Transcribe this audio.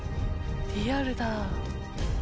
リアルだ。